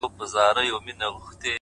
خورې ورې پرتې وي;